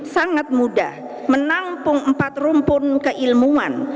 sangat mudah menampung empat rumpun keilmuan